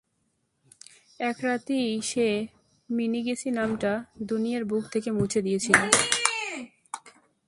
এক রাতেই সে মিনিগিশি নামটা দুনিয়ার বুক থেকে মুছে দিয়েছিল।